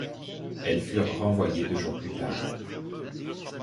Elles furent renvoyées deux jours plus tard.